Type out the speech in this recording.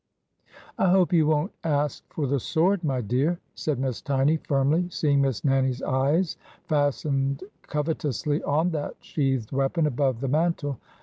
'' I hope you won't ask for the sword, my dear," said Miss Tiny, firmly, seeing Miss Nannie's eyes fastened covetously on that sheathed weapon above the mantel.